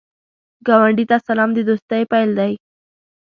ګاونډي ته سلام، د دوستۍ پیل دی